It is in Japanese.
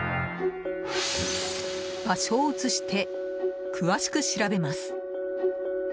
場所を移して詳しく調べます。